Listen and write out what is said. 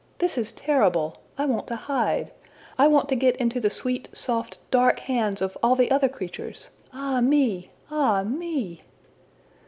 This is terrible. I want to hide. I want to get into the sweet, soft, dark hands of all the other creatures. Ah me! ah me!''